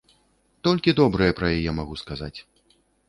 Толькі добрае пра яе магу сказаць.